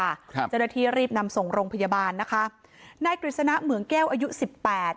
เจ้าหน้าที่รีบนำส่งโรงพยาบาลนะคะนายกฤษณะเหมืองแก้วอายุสิบแปด